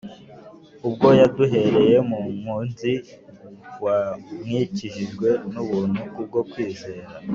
ubwo yaduhereye mu Mukunzi wayMwakijijwe n'ubuntu kubwo kwizera: